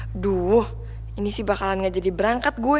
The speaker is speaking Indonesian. aduh ini sih bakalan gak jadi berangkat gue